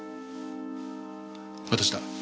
私だ。